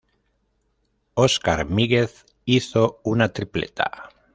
Óscar Míguez hizo una tripleta.